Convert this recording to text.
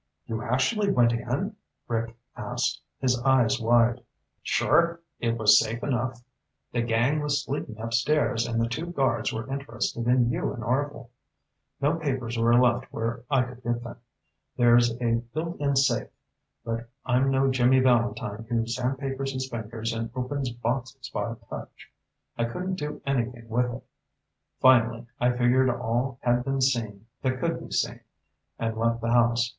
"You actually went in?" Rick asked, his eyes wide. "Sure. It was safe enough. The gang was sleeping upstairs and the two guards were interested in you and Orvil. No papers were left where I could get them. There's a built in safe, but I'm no Jimmy Valentine who sandpapers his fingers and opens boxes by touch. I couldn't do anything with it. Finally, I figured all had been seen that could be seen, and left the house.